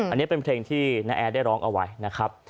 อันนี้เป็นเพลงที่น้าแอร์ได้ร้องเอาไว้นะครับ